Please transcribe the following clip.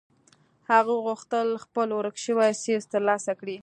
هغه غوښتل خپل ورک شوی څيز تر لاسه کړي.